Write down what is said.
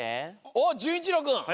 おっじゅんいちろうくん。